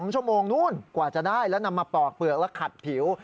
๒ชั่วโมงนู้นกว่าจะได้แล้วนำมาปอกเปลือกและขัดผิว